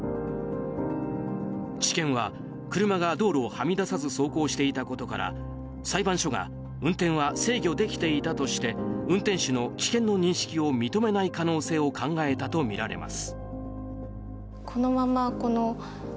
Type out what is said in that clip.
地検は車が道路をはみ出さず走行していたことから裁判所が運転は制御できていたとして運転手の危険の認識を認めない可能性を考えたとみられます。